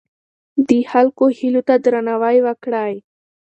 د خلکو هیلو ته درناوی وکړئ.